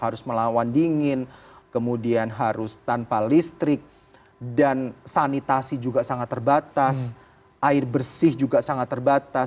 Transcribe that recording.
harus melawan dingin kemudian harus tanpa listrik dan sanitasi juga sangat terbatas air bersih juga sangat terbatas